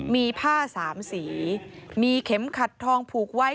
มีผ้าสามสีมีเข็มขัดทองผูกไว้